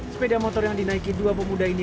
sepeda motor yang dinaiki dua pemuda ini